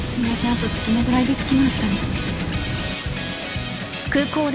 あとどのぐらいで着きますか？